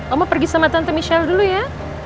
om mau pergi sama tante michelle dulu ya